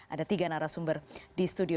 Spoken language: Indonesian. ada tiga narasumber di studio